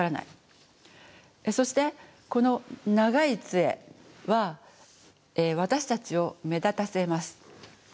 そしてこの長い杖は私たちを目立たせます。